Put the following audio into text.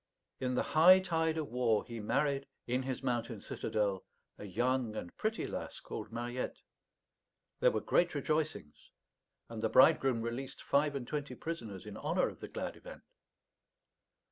In the high tide of war he married, in his mountain citadel, a young and pretty lass called Mariette. There were great rejoicings; and the bridegroom released five and twenty prisoners in honour of the glad event.